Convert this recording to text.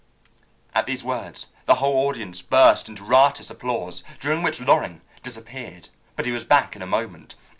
At these words the whole audience burst into riotous applause, during which Loring disappeared, but he was back in a moment.